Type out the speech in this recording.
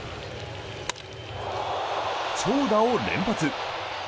長打を連発。